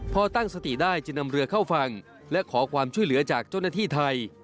พอตั้งสติได้จึงนำเรือเข้าฝั่งและขอความช่วยเหลือจากเจ้าหน้าที่ไทย